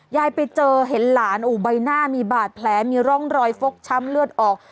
ยายไปเจอเห็นหลานใบหน้ามีบาดแผลมีร่องรอยฟกช้ำเลือดออก